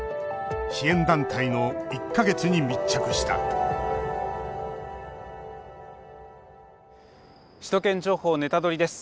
支援団体の１か月に密着した「首都圏情報ネタドリ！」です。